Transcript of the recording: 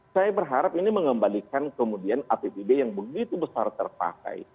saya berharap ini mengembalikan kemudian apbd yang begitu besar terpakai